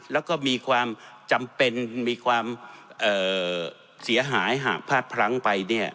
แล้วก็มีความจำเป็นมีความเอ่อเสียหายหากพลังไปเนี่ย